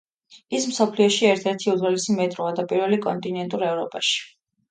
ის მსოფლიოში ერთ-ერთი უძველესი მეტროა და პირველი კონტინენტურ ევროპაში.